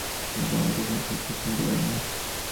তিনি কখনো তাঁর ছাত্র-ছাত্রীদের চিনতে পারেন না।